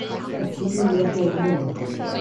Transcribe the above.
Hoffwn wylio'r gêm heno.